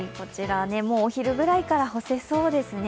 お昼ぐらいから干せそうですね。